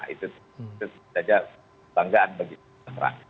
itu saja banggaan bagi masyarakat